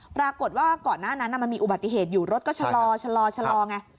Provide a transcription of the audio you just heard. ปรากฏว่าก่อนหน้านั้นมันมีอุบัติเหตุอยู่รถก็ชะลอชะลอไง